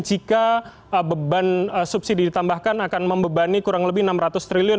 jika beban subsidi ditambahkan akan membebani kurang lebih enam ratus triliun